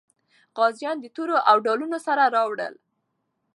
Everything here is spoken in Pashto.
غازیان د تورو او ډالونو سره راوړل.